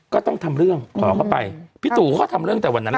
ก็ต้องทำเรื่องขอเข้าไปพี่ตู่เขาก็ทำเรื่องแต่วันนั้นแหละ